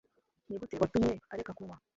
Nigute watumye areka kunywa?